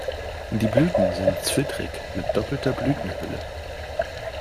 Die Blüten sind zwittrig mit doppelter Blütenhülle.